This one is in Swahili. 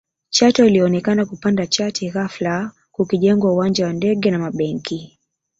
Chato ilionekana kupanda chati ghafla kukijengwa uwanja wa ndege na mabenki